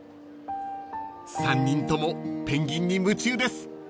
［３人ともペンギンに夢中です］